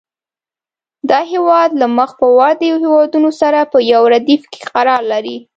دا هېواد له مخ پر ودې هېوادونو سره په یو ردیف کې قرار لري.